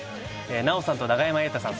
奈緒さんと永山瑛太さん